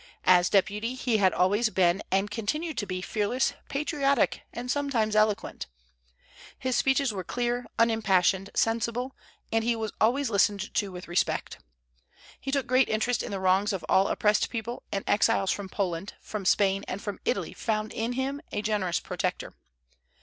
As deputy he had always been and continued to be fearless, patriotic, and sometimes eloquent. His speeches were clear, unimpassioned, sensible, and he was always listened to with respect. He took great interest in the wrongs of all oppressed people; and exiles from Poland, from Spain, and from Italy found in him a generous protector.